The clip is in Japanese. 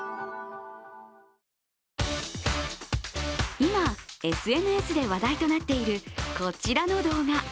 今、ＳＮＳで話題となっているこちらの動画。